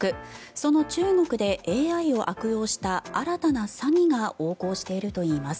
その中国でＡＩを悪用した新たな詐欺が横行しているといいます。